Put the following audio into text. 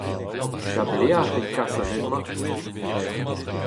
da belec'h e kas an hent-mañ?